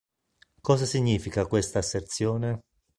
Cosa significa quest'asserzione?